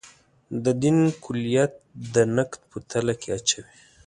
د دین کُلیت د نقد په تله کې اچوي.